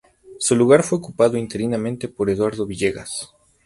Su lugar fue ocupado interinamente por Eduardo Villegas.